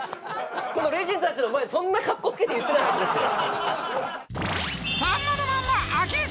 このレジェンドたちの前でそんなカッコつけて言ってないはずですよ。